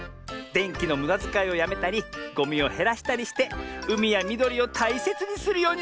でんきのむだづかいをやめたりゴミをへらしたりしてうみやみどりをたいせつにするようにするのミズ。